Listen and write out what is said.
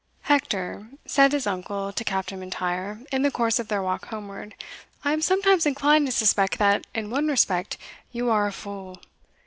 "Hector," said his uncle to Captain M'Intyre, in the course of their walk homeward, "I am sometimes inclined to suspect that, in one respect, you are a fool."